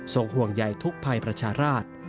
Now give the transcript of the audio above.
ส่งห่วงใหญ่ทุกภัยประชาราช